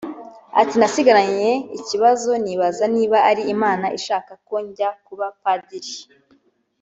Ati “Nasigaranye ikibazo nibaza niba ari Imana ishaka ko njya kuba Padiri